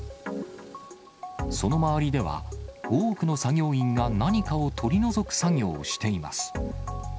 その周りでは、多くの作業員が何かを取り除く作業をしています。